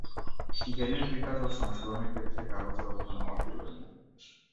জ্ঞানের বিকাশ ও সংরক্ষণের ক্ষেত্রে কাগজের অবদান অতুলনীয়।